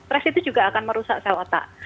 ras itu juga akan merusak sel otak